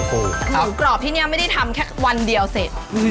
หมูกรอบที่นี่ไม่ได้ทำแค่วันเดียวเสร็จ